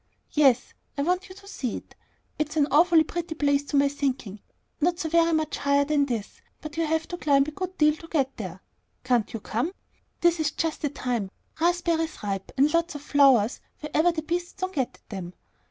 "Yes. I want you to see it. It's an awfully pretty place to my thinking, not so very much higher than this, but you have to climb a good deal to get there. Can't you come? This is just the time, raspberries ripe, and lots of flowers wherever the beasts don't get at them.